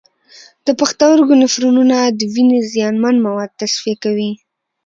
د پښتورګو نفرونونه د وینې زیانمن مواد تصفیه کوي.